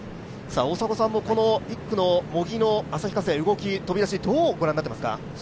大迫さんも１区の茂木の飛び出し、どう御覧になっていますか？